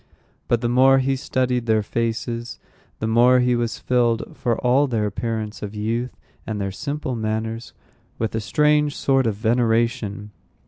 But the more he studied their faces, the more he was filled, for all their appearance of youth and their simple manners, with a strange sort of veneration.